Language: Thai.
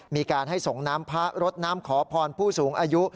มีการให้ส่งน้ำพระรดน้ำขอพรผู้สูงอายุ